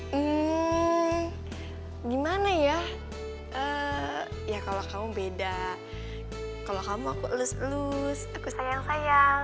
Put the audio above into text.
hmm gimana ya kalau kamu beda kalau kamu aku lus lus aku sayang sayang